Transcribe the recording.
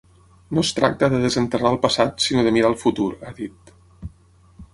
No es tracta de desenterrar el passat, sinó de mirar al futur, ha dit.